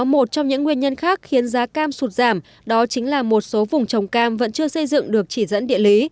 một trong những nguyên nhân khác khiến giá cam sụt giảm đó chính là một số vùng trồng cam vẫn chưa xây dựng được chỉ dẫn địa lý